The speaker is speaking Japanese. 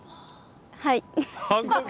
はい。